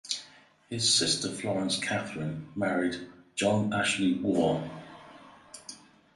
His sister Florence Catherine married John Ashley Warre.